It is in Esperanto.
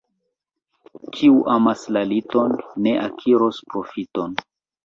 Kiu amas la liton, ne akiros profiton.